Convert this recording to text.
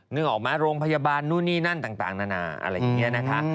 นึกออกไหมโรงพยาบาลนู่นนี่นั่นต่างนานาอะไรอย่างนี้นะคะ